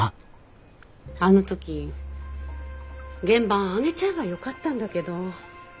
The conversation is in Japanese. あの時原盤揚げちゃえばよかったんだけど。